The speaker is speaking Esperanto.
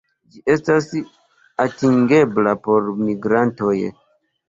Ĝi estas atingebla por migrantoj.